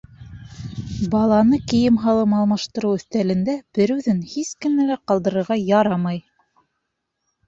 Баланы кейем-һалым алмаштырыу өҫтәлендә бер үҙен һис кенә лә ҡалдырырға ярамай.